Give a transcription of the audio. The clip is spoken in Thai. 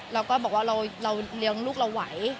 เราก็บอกว่าเราเลี้ยงลูกเราไหว